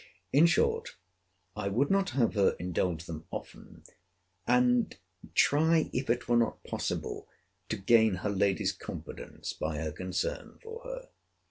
In short, I would not have her indulge them often, and try if it were not possible to gain her lady's confidence by her concern for her.